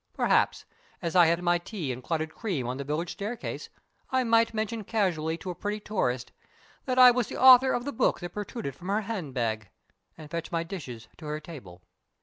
Perhaps, as I had my tea and clotted cream on the village staircase, I might mention casually to a pretty tourist that I was the author of the book that protruded from her handbag and fetch my dishes to her table.